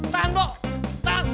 tahan bo tahan